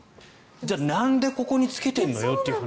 じゃあなんでここにつけてるの？って話。